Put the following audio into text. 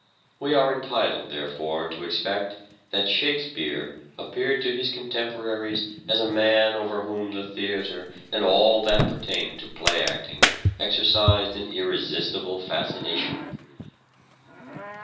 We are entitled, therefore, to expect that " Shakespeare " appeared to his contemporaries as a man over whom the theatre and all that pertained to play acting exercised an irresistible fascination.